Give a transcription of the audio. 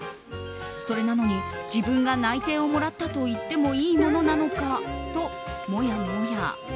それなのに自分が内定をもらったと言ってもいいものなのかともやもや。